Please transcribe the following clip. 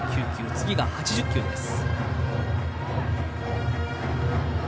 次が８０球です。